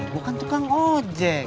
gue kan tukang ojek